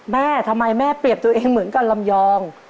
แม่ทำไมแม่เปรียบตัวเองเหมือนกันลำยอง